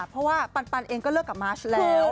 เพราะว่าปันเองก็เลิกกับมาชแล้ว